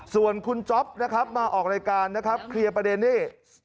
ส่วนคุณจ๊อปนะครับมาออกรายการนะครับเคลียร์ประเด็นนี้